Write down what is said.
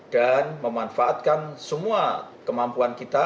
dan memanfaatkan semua kemampuan kita